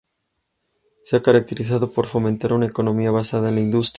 Se ha caracterizado por fomentar una economía basada en la industria.